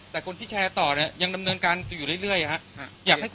และจนจนไม่หยุดแชร์